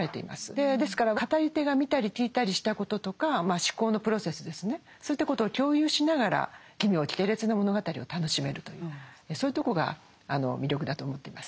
でですから語り手が見たり聞いたりしたこととかまあ思考のプロセスですねそういったことを共有しながら奇妙奇天烈な物語を楽しめるというそういうとこが魅力だと思っています。